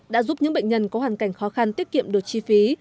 đã giúp những bệnh nhân có hoàn cảnh khó khăn tiết kiệm được chi phí